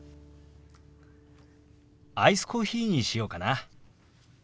アイスコーヒーにしようかな。